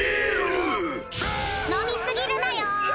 飲み過ぎるなよ！